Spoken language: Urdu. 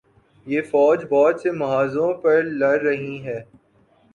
یہ فوج بہت سے محاذوںپر لڑ رہی ہے۔